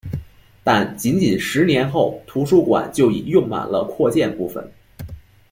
但仅仅十年后图书馆就已用满了扩建部分。